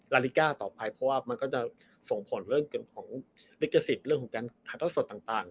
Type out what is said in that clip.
ราลิก้าต่อไปเพราะว่ามันก็จะส่งผลเรื่องของเรียกกระสิทธิ์เรื่องของการขาดสดต่างต่าง